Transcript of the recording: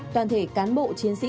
toàn thể cán bộ chiến sĩ